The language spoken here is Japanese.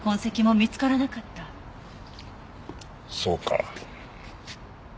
そうか。